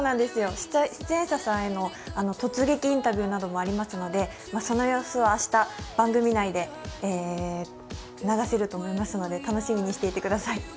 出演者さんへの突撃インタビューなどもありますのでその様子を明日、番組内で流せると思いますので楽しみにしていてください。